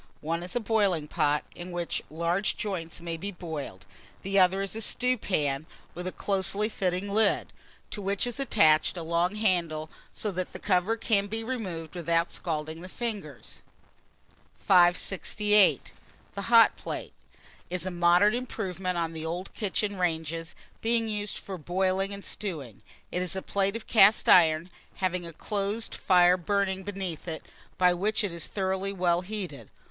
One is a boiling pot, in which large joints may be boiled; the other is a stewpan, with a closely fitting lid, to which is attached a long handle; so that the cover can be removed without scalding the fingers. [Illustration: HOT PLATE.] 568. THE HOT PLATE is a modern improvement on the old kitchen ranges, being used for boiling and stewing. It is a plate of cast iron, having a closed fire burning beneath it, by which it is thoroughly well heated.